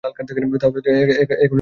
তাহলে এখন কীভাবে রাগ করতে পারি?